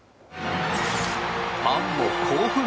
ファンも興奮。